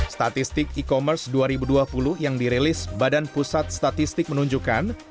statistik e commerce dua ribu dua puluh yang dirilis badan pusat statistik menunjukkan